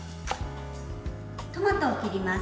トマトを切ります。